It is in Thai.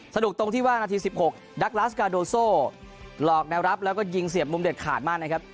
ตรงที่ว่านาที๑๖ดักลาสกาโดโซหลอกแนวรับแล้วก็ยิงเสียบมุมเด็ดขาดมากนะครับ